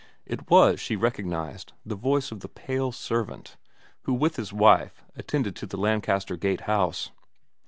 It was, she recognised, the voice of the pale servant, who with his wife attended to the Lancaster Gate house.